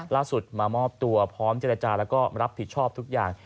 ล่าสุดมามอบตัวพร้อมเจรจาแล้วก็รับผิดชอบทุกอย่าง